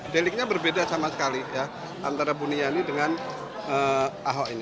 deliknya berbeda sama sekali ya antara buniyani dengan ahok ini